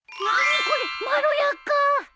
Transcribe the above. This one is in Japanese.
まろやか！